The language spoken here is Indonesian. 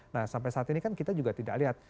nah sampai saat ini kan kita juga tidak lihat